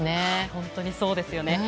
本当にそうですよね。